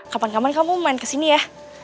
kapan kapan kamu main kesini ya